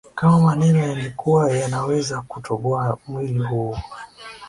Kama maneno yangekuwa yanaweza kutoboa mwili huu